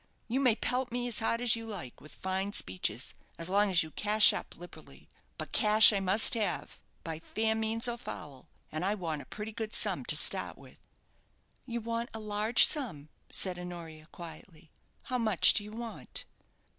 You may pelt me as hard as you like with fine speeches, as long as you cash up liberally; but cash I must have, by fair means or foul, and I want a pretty good sum to start with." "You want a large sum," said Honoria, quietly; "how much do you want?"